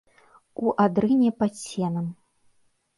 У адрыне пад сенам.